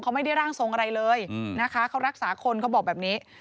เขาไม่ได้ร่างทรงอะไรเลยนะคะเขารักษาคนเขาบอกแบบนี้